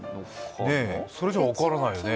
それじゃ分からないよね